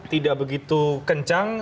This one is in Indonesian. tidak begitu kencang